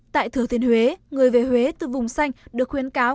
tại thừa thiên huế người về huế từ vùng xanh được khuyến cáo